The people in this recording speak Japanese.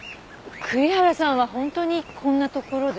栗原さんは本当にこんなところで？